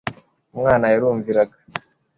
umwana yarumviraga